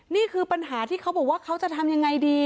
นี่คือปัญหาที่เขาบอกว่าเขาจะทำยังไงดี